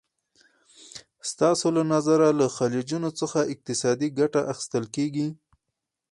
ستاسو له نظره له خلیجونو څخه اقتصادي ګټه اخیستل کېږي؟